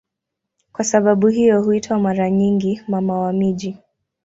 Kwa sababu hiyo huitwa mara nyingi "Mama wa miji".